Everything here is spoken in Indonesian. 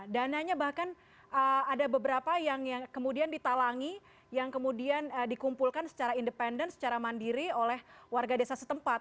dananya bahkan ada beberapa yang kemudian ditalangi yang kemudian dikumpulkan secara independen secara mandiri oleh warga desa setempat